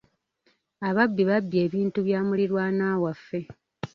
Ababbi babbye ebintu bya muliraanwa waffe.